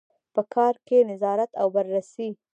په کار کې نظارت او بررسي.